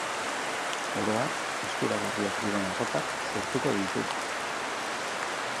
Oro har, eskuragarriak diren arropak sortuko ditu.